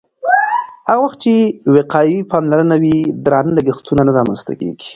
هغه وخت چې وقایوي پاملرنه وي، درانه لګښتونه نه رامنځته کېږي.